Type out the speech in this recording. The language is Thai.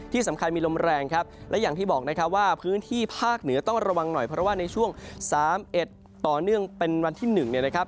ที่สำคัญมีลมแรงครับและอย่างที่บอกนะครับว่าพื้นที่ภาคเหนือต้องระวังหน่อยเพราะว่าในช่วง๓๑ต่อเนื่องเป็นวันที่๑เนี่ยนะครับ